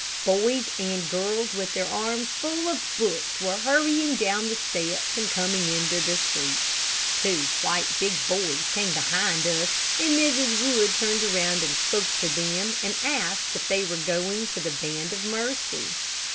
Boys and girls, with their arms full of books, were hurrying down the steps and coming into the street. Two quite big boys came behind us, and Mrs. Wood turned around and spoke to them, and asked if they were going to the Band of Mercy.